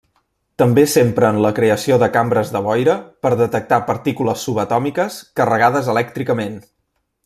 També s'empra en la creació de cambres de boira per detectar partícules subatòmiques carregades elèctricament.